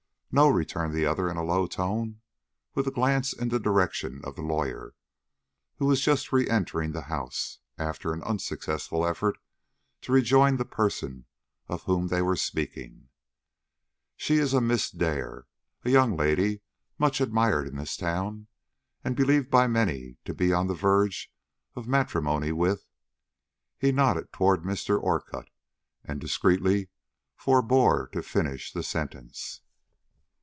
"No," returned the other, in a low tone, with a glance in the direction of the lawyer, who was just re entering the house, after an unsuccessful effort to rejoin the person of whom they were speaking. "She is a Miss Dare, a young lady much admired in this town, and believed by many to be on the verge of matrimony with " He nodded toward Mr. Orcutt, and discreetly forbore to finish the sentence.